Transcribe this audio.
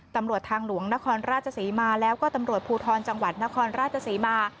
ตำรวจทางหลวงนครราชศรีมาแล้วก็ตำรวจภูทรจังหวัดนครราชศรีมา